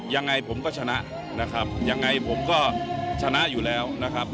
ยังไงผมก็ชนะนะครับยังไงผมก็ชนะอยู่แล้วนะครับ